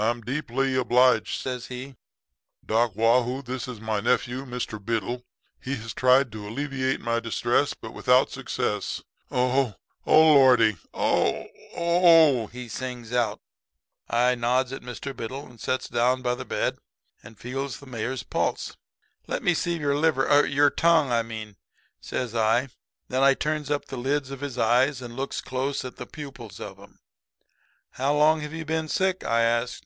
"'I'm deeply obliged,' says he. 'Doc Waugh hoo, this is my nephew, Mr. Biddle. He has tried to alleviate my distress, but without success. Oh, Lordy! Ow ow ow!!' he sings out. "I nods at Mr. Biddle and sets down by the bed and feels the mayor's pulse. 'Let me see your liver your tongue, I mean,' says I. Then I turns up the lids of his eyes and looks close at the pupils of 'em. "'How long have you been sick?' I asked.